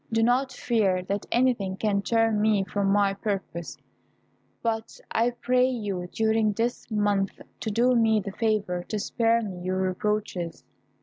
Do not fear that anything can turn me from my purpose; but I pray you during this month to do me the favour to spare me your reproaches."